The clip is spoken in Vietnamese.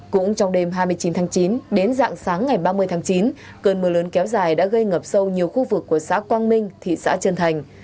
cũng trong đêm hai mươi chín tháng chín đến dạng sáng ngày ba mươi tháng chín cơn mưa lớn kéo dài đã gây ngập sâu nhiều khu vực của xã quang minh thị xã trân thành